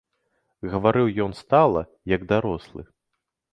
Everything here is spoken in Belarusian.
Гаварыў ён стала, як дарослы.